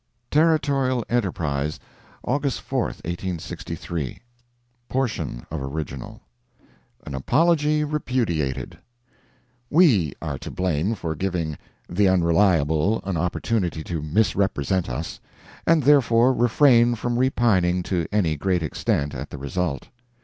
Territorial Enterprise, August 4, 1863 [portion of original] AN APOLOGY REPUDIATED We are to blame for giving "the Unreliable" an opportunity to misrepresent us, and therefore refrain from repining to any great extent at the result.